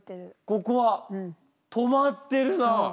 ここは止まってるな。